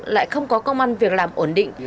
lại không có công an việc làm ổn định